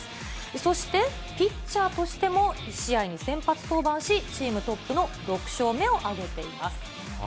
そしてピッチャーとしても、１試合に先発登板し、チームトップの６勝目を挙げています。